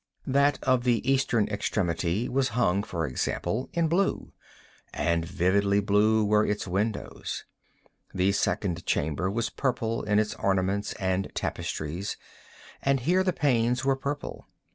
That at the eastern extremity was hung, for example, in blue—and vividly blue were its windows. The second chamber was purple in its ornaments and tapestries, and here the panes were purple.